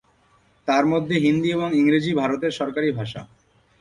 তার মধ্যে হিন্দি এবং ইংরেজি ভারতের সরকারি ভাষা।